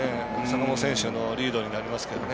坂本選手のリードになりますけど。